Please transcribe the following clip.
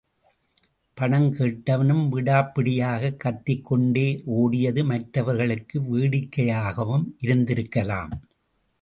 பண்டம் கேட்டவனும் விடாப்பிடியாகக் கத்திக் கொண்டே ஓடியது மற்றவர்களுக்கு வேடிக்கையாகவும் இருந்திருக்கலாம்.